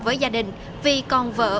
với gia đình vì con vợ